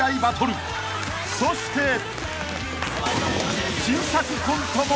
［そして］